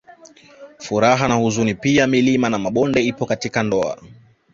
Furaha na huzuni pia milima na mabonde ipo katika ndoa